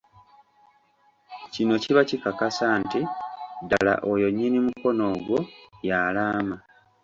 Kino kiba kikakasa nti ddala oyo nnyini mukono ogwo y'alaama.